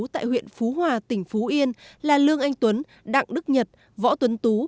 tại huyện phú hòa tỉnh phú yên là lương anh tuấn đặng đức nhật võ tuấn tú